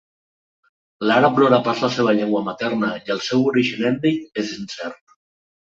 L'àrab no era pas la seva llengua materna i el seu origen ètnic és incert.